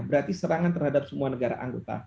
berarti serangan terhadap semua negara anggota